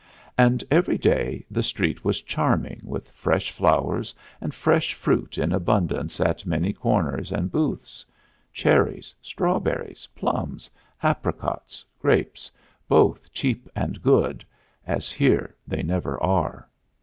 And every day the street was charming with fresh flowers and fresh fruit in abundance at many corners and booths cherries, strawberries, plums, apricots, grapes, both cheap and good, as here they never are.